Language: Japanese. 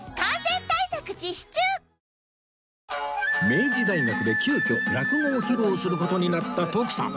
明治大学で急きょ落語を披露する事になった徳さん